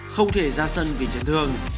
không thể ra sân vì trận thương